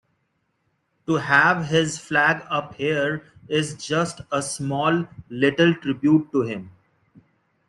To have his flag up here is just a small little tribute to him.